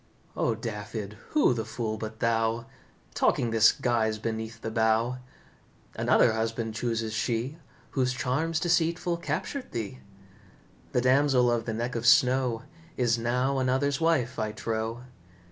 "O, Dafydd, who the fool but thou, Talking this guise beneath the bough? Another husband chooses she, Whose charms deceitful captured thee. The Damsel of the neck of snow Is now another's wife, I trow.